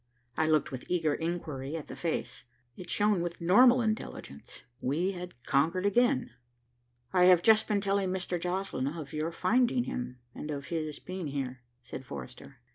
I looked with eager inquiry at the face. It shone with normal intelligence. We had conquered again. "I have just been telling Mr. Joslinn of your finding him, and of his being here," said Forrester.